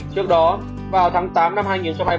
trước đó vào tháng tám năm hai nghìn hai mươi ba